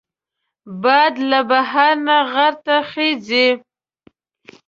باد له بحر نه غر ته خېژي